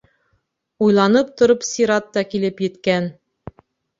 Уйланып тороп, сират та килеп еткән.